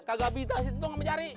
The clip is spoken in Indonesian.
kagak bintang sinto yang mencari